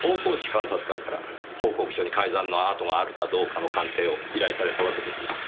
監察官から報告書に改ざんの跡があるかどうかの鑑定を依頼されたわけですね？